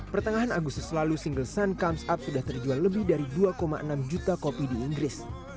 pertengahan agustus lalu single sun comes up sudah terjual lebih dari dua enam juta kopi di inggris